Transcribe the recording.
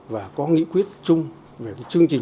và có nghĩ quyết chung về cái chương trình